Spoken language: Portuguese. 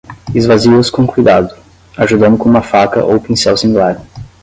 Esvazie-os com cuidado, ajudando com uma faca ou pincel similar.